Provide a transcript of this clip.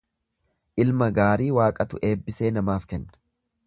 Ilma gaarii Waaqatu eebbisee namaaf kenna.